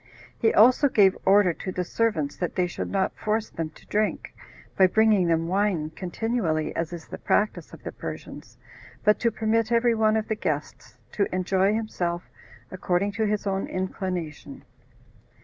He also gave order to the servants that they should not force them to drink, by bringing them wine continually, as is the practice of the Persians, but to permit every one of the guests to enjoy himself according to his own inclination.